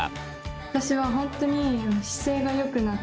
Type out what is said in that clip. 私は本当に姿勢がよくなって。